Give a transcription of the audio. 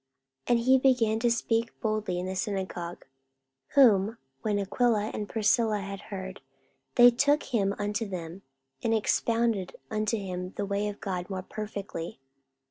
44:018:026 And he began to speak boldly in the synagogue: whom when Aquila and Priscilla had heard, they took him unto them, and expounded unto him the way of God more perfectly.